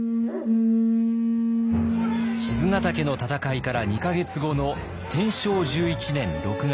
賤ヶ岳の戦いから２か月後の天正１１年６月。